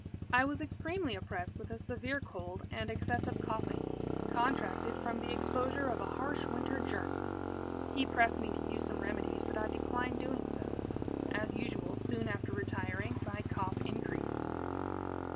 I was extremely oppressed with a severe cold and excessive coughing, contracted from the exposure of a harsh winter journey. He pressed me to use some remedies, but I declined doing so. As usual, soon after retiring, my cough increased.